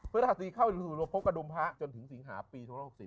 พระราศีเข้าสู่พบกระดุมพระจนถึงสิงหาปี๒๖๐